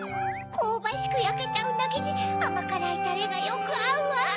こうばしくやけたうなぎにあまからいタレがよくあうわ！